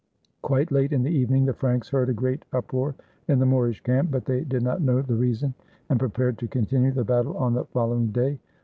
Quite late in the evening the Franks heard a great up roar in the Moorish camp, but they did not know the rea son, and prepared to continue the battle on the follow ing day.